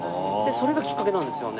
それがきっかけなんですよね。